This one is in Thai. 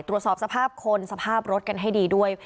ตรวจสอบสภาพคนสภาพรถกันให้ดีด้วย